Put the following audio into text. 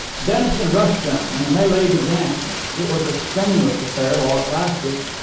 Dennison rushed them, and the mêlée began. It was a strenuous affair while it lasted.